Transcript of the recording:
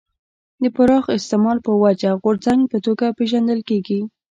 د پراخ استعمال په وجه غورځنګ په توګه پېژندل کېږي.